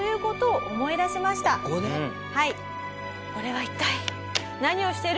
はい。